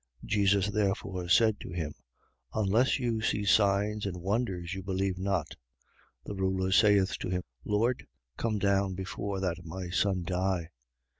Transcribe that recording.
4:48. Jesus therefore said to him: Unless you see signs and wonders, you believe not. 4:49. The ruler saith to him: Lord, come down before that my son die.